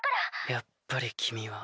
やっぱり君は。